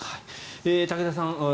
武田さん